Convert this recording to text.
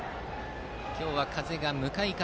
今日は風が向かい風。